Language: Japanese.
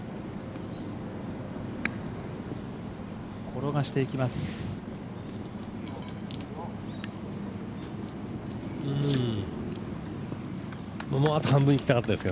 転がしていきます。